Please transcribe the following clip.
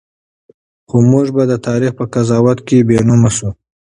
خو موږ به د تاریخ په قضاوت کې بېنومه شو.